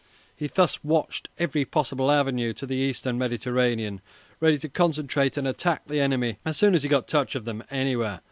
He thus watched every possible avenue to the Eastern Mediterranean, ready to concentrate and attack the enemy as soon as he got touch of them anywhere.